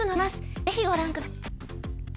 ぜひご覧下さい。